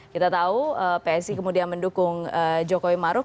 kita tahu psi kemudian mendukung jokowi maruf